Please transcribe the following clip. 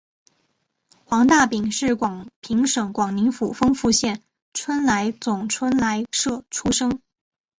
黄大秉是广平省广宁府丰富县春来总春来社出生。